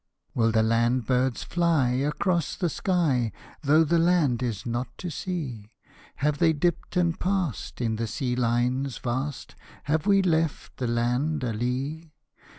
Will the land birds fly across the sky, Though the land is not to see? Have they dipped and passed in the sea line vast? Have we left the land a lee?